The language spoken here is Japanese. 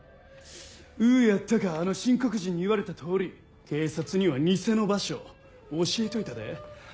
呉やったかあの清国人に言われた通り警察には偽の場所教えておいたで。